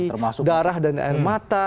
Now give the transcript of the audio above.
termasuk darah dan air mata